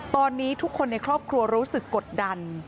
ตอนนี้ทุกคนในครอบครัวรู้สึกกดดัน